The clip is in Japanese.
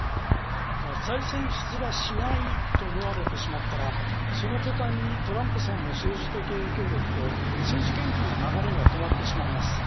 再選出馬しないと思われてしまったらその途端にトランプさんの政治的影響力と政治献金の流れが止まってしまいます。